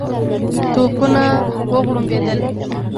توپونه وغړومبېدل.